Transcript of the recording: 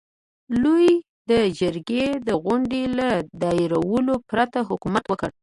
لويي د جرګې د غونډو له دایرولو پرته حکومت وکړ.